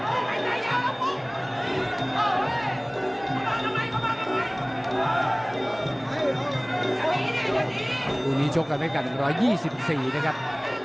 วันนี้ชกกันเป็นกัน๑๒๔นะครับ